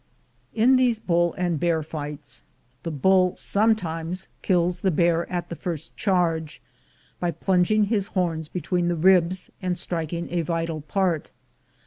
In these bull and bear fights the bull sometimes 284 THE GOLD HUNTERS kills the bear at the first charge, by plunging his horns between the ribs, and striking a vital part.